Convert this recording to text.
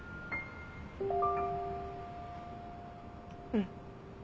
うん。